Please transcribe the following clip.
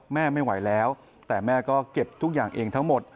แม่ไม่ไหวแล้วแต่แม่ก็เก็บทุกอย่างเองทั้งหมด